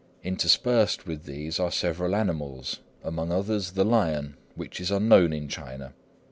Interspersed with these are several animals, among others the lion, which is unknown in China.